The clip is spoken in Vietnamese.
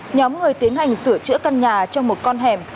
nhóm người tiến hành sửa chữa căn nhà trong một con hẻm